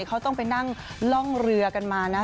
เขาต้องไปนั่งล่องเรือกันมานะ